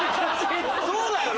そうだよな！